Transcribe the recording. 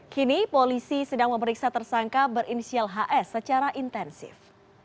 kini polisi sedang memeriksa tersangka berinisial hs secara intensif